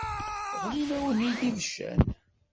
Ɣlin-awen-id ibeccan.